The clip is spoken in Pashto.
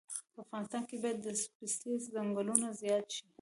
په افغانستان کې باید د پستې ځنګلونه زیات شي